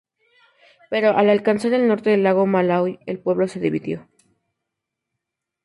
Pero al alcanzar el norte del lago Malaui, el pueblo se dividió.